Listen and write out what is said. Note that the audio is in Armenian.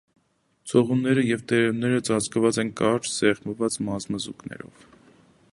Ցողունները և տերևները ծածկված են կարճ, սեղմված մազմզուկներով։